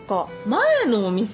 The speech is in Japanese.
前のお店！？